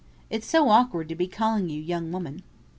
It's so awkward to be calling you young woman."